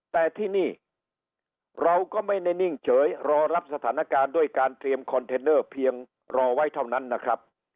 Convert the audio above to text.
แต่ที่นี่เราก็ไม่ได้นิ่งเฉยรอรับสถานการณ์ด้วยการเตรียมคอนเทนเนอร์เพียงรอไว้เท่านั้นนะครับ